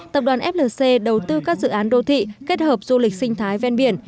tập đoàn flc đầu tư các dự án đô thị kết hợp du lịch sinh thái ven biển